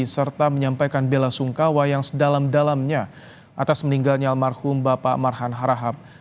serta menyampaikan bela sungkawa yang sedalam dalamnya atas meninggalnya almarhum bapak marhan harahap